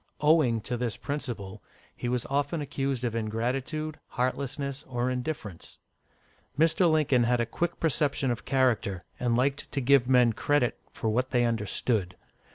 Owing to this principle, he was often accused of ingratitude, heartlessness, or indifference. Mr. Lincoln had a quick perception of character, and liked to give men credit for what they understood.